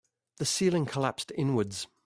The ceiling collapsed inwards.